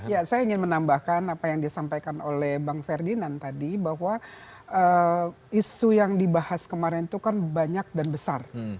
ya saya ingin menambahkan apa yang disampaikan oleh bang ferdinand tadi bahwa isu yang dibahas kemarin itu kan banyak dan besar